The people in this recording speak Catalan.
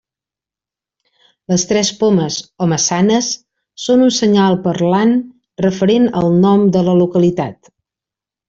Les tres pomes, o maçanes, són un senyal parlant referent al nom de la localitat.